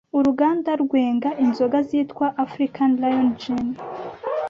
Uruganda rwenga inzoga zitwa African Lion Gin